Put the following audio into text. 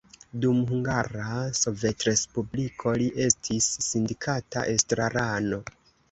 Dum Hungara Sovetrespubliko li estis sindikata estrarano.